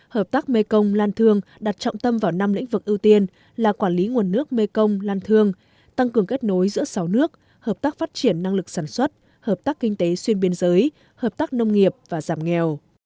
hợp tác mekong lan thương đặt trọng tâm vào năm lĩnh vực ưu tiên là quản lý nguồn nước mekong lan thương tăng cường kết nối giữa sáu nước hợp tác phát triển năng lực sản xuất hợp tác kinh tế xuyên biên giới hợp tác nông nghiệp và giảm nghèo